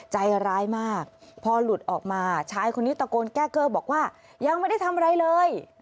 ใจร้ายมากพอหลุดออกมาชายคนนี้ตะโกนแก้เกอร์บอกว่ายังไม่ได้ทำอะไรเลย